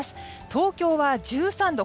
東京は１３度。